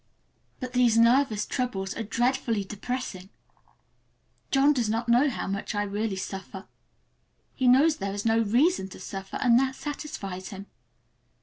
But these nervous troubles are dreadfully depressing. John does not know how much I really suffer. He knows there is no reason to suffer, and that satisfies him.